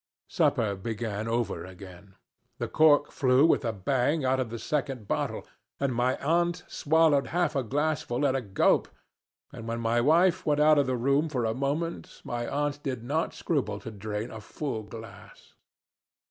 Supper began over again. The cork flew with a bang out of the second bottle, and my aunt swallowed half a glassful at a gulp, and when my wife went out of the room for a moment my aunt did not scruple to drain a full glass.